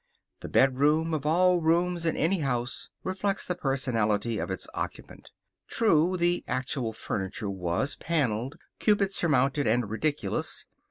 The bedroom, of all rooms in any house, reflects the personality of its occupant. True, the actual furniture was paneled, cupid surmounted, and ridiculous.